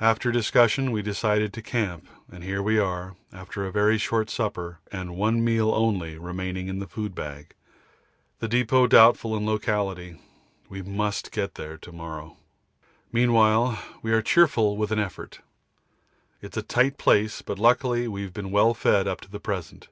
After discussion we decided to camp, and here we are, after a very short supper and one meal only remaining in the food bag; the depot doubtful in locality. We must get there to morrow. Meanwhile we are cheerful with an effort. It's a tight place, but luckily we've been well fed up to the present.